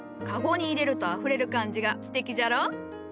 籠に入れるとあふれる感じがすてきじゃろ？